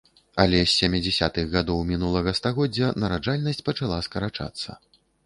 Але з сямідзясятых гадоў мінулага стагоддзя нараджальнасць пачала скарачацца.